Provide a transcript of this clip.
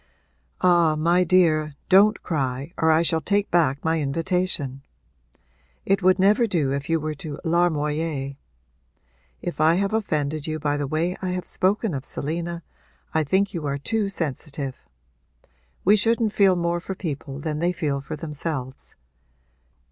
'Ah my dear, don't cry or I shall take back my invitation! It would never do if you were to larmoyer. If I have offended you by the way I have spoken of Selina I think you are too sensitive. We shouldn't feel more for people than they feel for themselves.